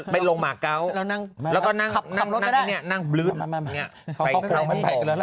ไปลงหมาเกาแล้วก็นั่งนั่งบลึ๊บอย่างนี้